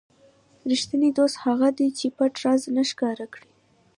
ریښتینی دوست هغه دی چې پټ راز نه ښکاره کړي.